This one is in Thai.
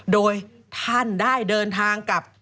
โดยท่านได้เดินทางกับ